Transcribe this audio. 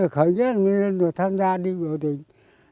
khởi nghĩa là người ta được tham gia đi biểu tình